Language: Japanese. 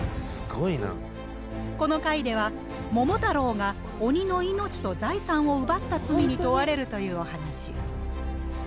この回では桃太郎が鬼の命と財産を奪った罪に問われるというお話。